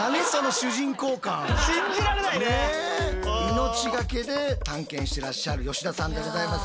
命がけで探検してらっしゃる吉田さんでございます。